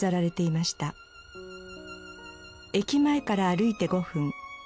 駅前から歩いて５分。